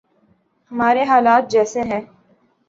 ہمارے حالات جیسے ہیں۔